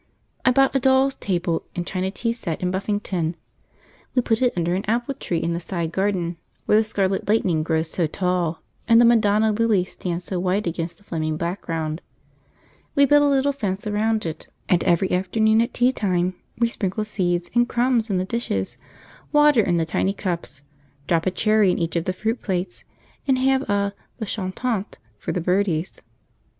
I bought a doll's table and china tea set in Buffington. We put it under an apple tree in the side garden, where the scarlet lightning grows so tall and the Madonna lilies stand so white against the flaming background. We built a little fence around it, and every afternoon at tea time we sprinkle seeds and crumbs in the dishes, water in the tiny cups, drop a cherry in each of the fruit plates, and have a the chantant for the birdies.